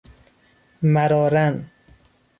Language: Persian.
مراراً